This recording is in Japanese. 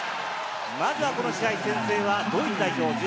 まずはこの試合、先制はドイツ代表。